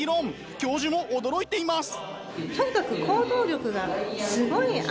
教授も驚いています。